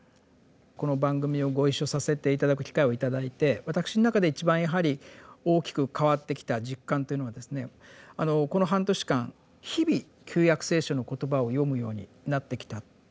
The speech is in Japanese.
この番組をご一緒させて頂く機会を頂いて私の中で一番やはり大きく変わってきた実感というのはこの半年間日々「旧約聖書」の言葉を読むようになってきた。